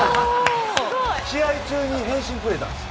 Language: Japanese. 試合中に返信くれたんですよ。